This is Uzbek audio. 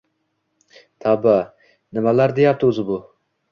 Tavba, nimalar deyapti o`zi bu